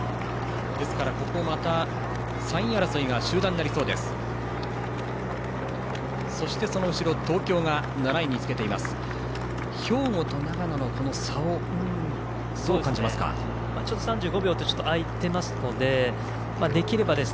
ですから、３位争いが集団になりそうです。